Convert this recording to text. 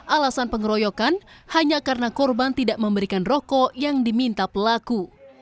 alasan pengeroyokan hanya karena korban tidak memberikan rokok yang diminta pelaku